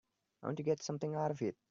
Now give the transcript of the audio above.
I want to get something out of it.